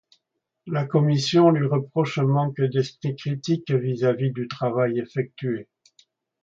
La commission lui reproche un manque d'esprit critique vis-à-vis du travail effectué.